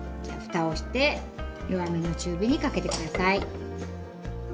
じゃふたをして弱めの中火にかけてください。